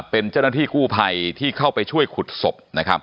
เป็นเจ้าหน้าที่กู้ภัยที่เข้าไปช่วยขุดศพนะครับ